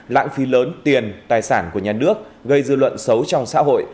lãng phí lớn tiền tài sản của nhà nước gây dư luận xấu trong xã hội